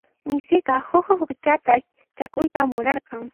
Misiqa huk huk'uchata chakuyta munarqan.